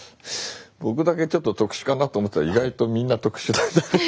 僕だけちょっと特殊かなと思ったら意外とみんな特殊だった。